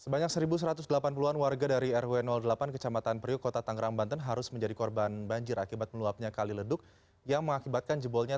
baik pak gede nguraswa jai dubes ri untuk singapura